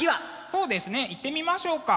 そうですねいってみましょうか。